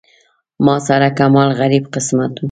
ما سره کمال غریب قسمت و.